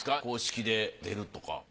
公式で出るとか。